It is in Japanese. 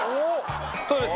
そうです。